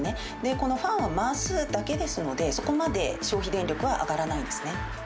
このファンは回すだけですので、そこまで消費電力は上がらないんですね。